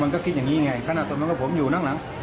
มันก็กินอย่างงี้ไงขณะตอนนั้นมันก็ผมอยู่นั่งหลัง